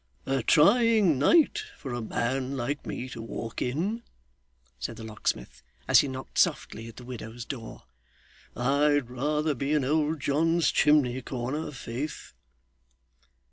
'A trying night for a man like me to walk in!' said the locksmith, as he knocked softly at the widow's door. 'I'd rather be in old John's chimney corner, faith!